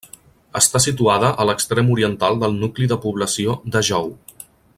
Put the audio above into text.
Està situada a l'extrem oriental del nucli de població de Jou.